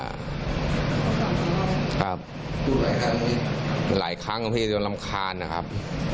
อะถูกแหละครั้งนี่หลายครั้งตอนนี้จะรำคัญนะครับ